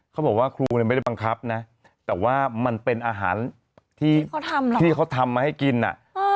เขาบอกว่าครูเนี่ยไม่ได้บังคับนะแต่ว่ามันเป็นอาหารที่เขาทำมาให้กินอ่ะ